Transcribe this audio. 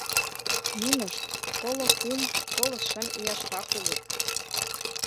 Нинышт коло кум-коло шым ияшрак улыт.